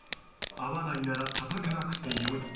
合わないならたたかなくてよい。